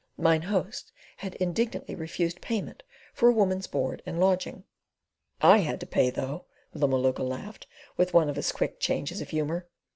Mine Host had indignantly refused payment for a woman's board and lodging. "I had to pay, though," the Maluka laughed, with one of his quick changes of humour.